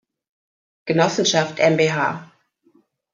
Genossenschaft mbH.